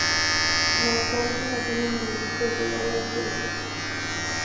Monsalve nació en el municipio de Segovia, Antioquia.